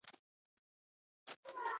دغه کوچنی توپیر ډېر ژر پر ژور توپیر بدل شو.